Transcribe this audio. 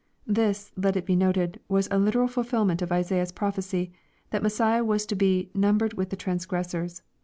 ] This, let it be noted, was a literal fulfilment of Isaiah's prophecy, that Messiah was to be *' num bered with the transgressors."